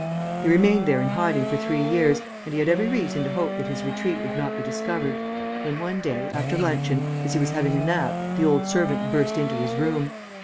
He remained there in hiding for three years and he had every reason to hope that his retreat would not be discovered, when, one day, after luncheon, as he was having a nap, the old servant burst into his room.